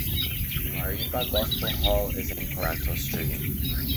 Wareemba Gospel Hall is in Coranto Street.